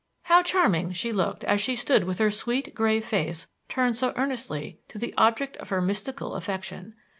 How charming she looked as she stood with her sweet, grave face turned so earnestly to the object of her mystical affection!